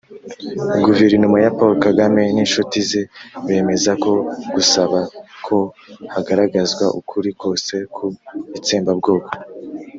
guverinoma ya paul kagame n'inshuti ze bemeza ko gusaba ko hagaragazwa ukuri kose ku itsembabwoko